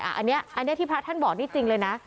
อันนี้ที่พระท่านบอกนี่จริงเลยนะ